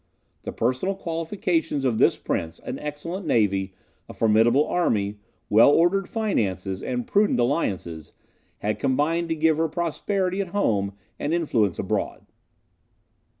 The personal qualifications of this prince, an excellent navy, a formidable army, well ordered finances, and prudent alliances, had combined to give her prosperity at home and influence abroad.